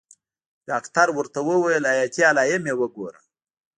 ډاکتر ورته وويل حياتي علايم يې وګوره.